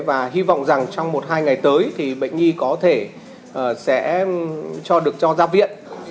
và hy vọng rằng trong một hai ngày tới bệnh nghi có thể được cho ra viện